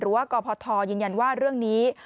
ว่ากพทยืนยันว่าเรื่องนี้